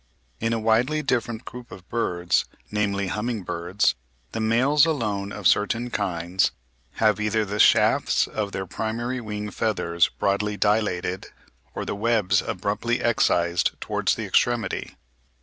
In a widely different group of birds, namely Humming birds, the males alone of certain kinds have either the shafts of their primary wing feathers broadly dilated, or the webs abruptly excised towards the extremity.